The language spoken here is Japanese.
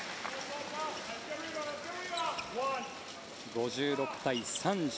５６対３０